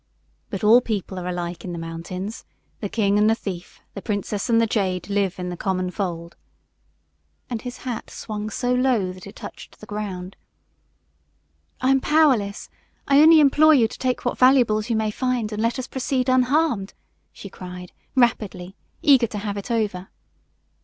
"But all people are alike in the mountains. The king and the thief, the princess and the jade live in the common fold," and his hat swung so low that it touched the ground. "I am powerless. I only implore you to take what valuables you may find and let us proceed unharmed " she cried, rapidly, eager to have it over.